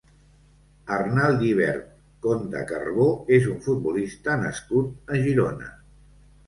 Arnal Llibert Conde Carbó és un futbolista nascut a Girona.